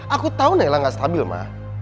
aku tahu nailah gak stabil ma